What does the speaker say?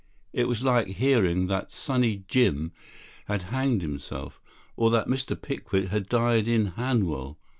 It was like hearing that Sunny Jim had hanged himself; or that Mr. Pickwick had died in Hanwell.